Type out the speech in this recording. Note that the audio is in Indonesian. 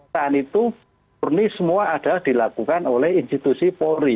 saat itu murni semua adalah dilakukan oleh institusi polri